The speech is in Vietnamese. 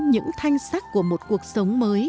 những thanh sắc của một cuộc sống mới